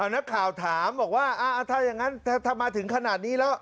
นักข่าวถามบอกว่าถ้าอย่างนั้นถ้ามาถึงขนาดนี้แล้ว